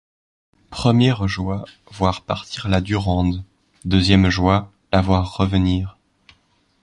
Première joie, voir partir la Durande ; deuxième joie, la voir revenir.